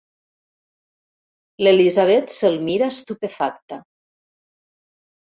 L'Elisabet se'l mira estupefacta.